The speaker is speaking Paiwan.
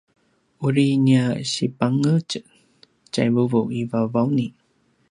uri nia sipangtjez tjai vuvu i Vavauni